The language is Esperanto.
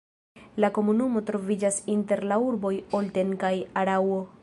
La komunumo troviĝas inter la urboj Olten kaj Araŭo.